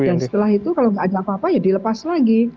dan setelah itu kalau tidak ada apa apa ya dilepas lagi